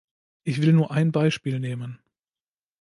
Ich will nur ein Beispiel nehmen.